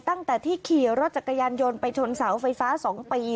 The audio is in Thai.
ตั้งแต่ที่ขี่รถจักรยานยนต์ไปชนเสาไฟฟ้า๒ปี